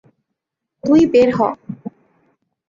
তুই বের হ!